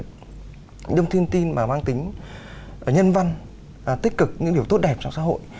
những thông tin mà mang tính nhân văn tích cực những điều tốt đẹp trong xã hội